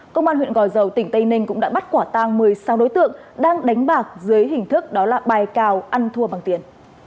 công an huyện gò dầu tỉnh tây ninh cũng đã bắt quả tang một mươi sao đối tượng đang đánh bạc dưới hình thức đó là bài cào ăn thua bằng tiền